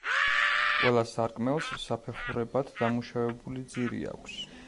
ყველა სარკმელს საფეხურებად დამუშავებული ძირი აქვს.